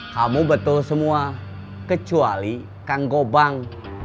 kamu betul semua kecuali kang gobang